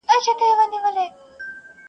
• سلامونه سهار مو ګلورین,